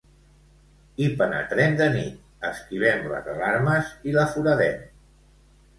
Hi penetrem de nit, esquivem les alarmes i la foradem.